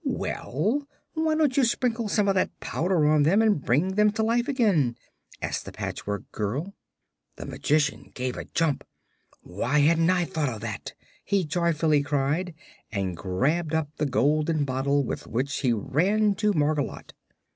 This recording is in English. "Well, why don't you sprinkle some of that powder on them and bring them to life again?" asked the Patchwork Girl. The Magician gave a jump. "Why, I hadn't thought of that!" he joyfully cried, and grabbed up the golden bottle, with which he ran to Margolotte.